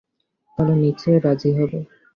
তাহলে নিশ্চয়ই রাজি হবে।